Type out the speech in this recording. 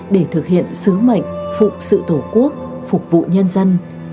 để thực hiện sứ mệnh phụng sự tổ quốc phục vụ nhân dân